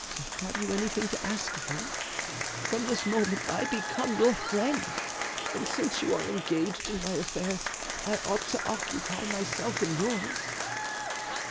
Have you anything to ask of me? From this moment I become your friend, and since you are engaged in my affairs I ought to occupy myself in yours."